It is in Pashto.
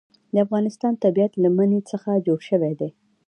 د افغانستان طبیعت له منی څخه جوړ شوی دی.